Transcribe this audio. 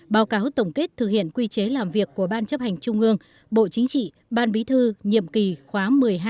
báo cáo tổng kết thực hiện quy chế làm việc của ban chấp hành trung ương bộ chính trị ban bí thư nhiệm kỳ khóa một mươi hai